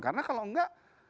karena kalau enggak